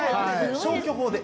消去法で。